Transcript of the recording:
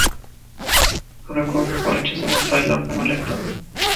Su recurso fue rechazado por el órgano electoral.